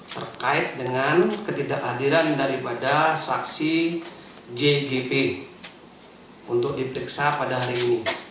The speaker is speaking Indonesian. terkait dengan ketidakhadiran daripada saksi jgp untuk diperiksa pada hari ini